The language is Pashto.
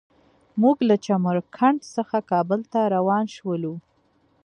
موږ له چمر کنډ څخه کابل ته روان شولو.